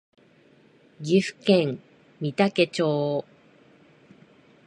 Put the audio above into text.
岐阜県御嵩町